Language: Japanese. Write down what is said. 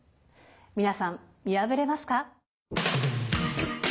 皆さん見破れますか？